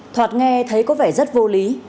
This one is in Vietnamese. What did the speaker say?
thoạt nghe thấy có vẻ rất vô lý